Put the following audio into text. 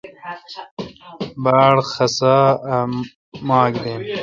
باڑ خسا اے ماک دین۔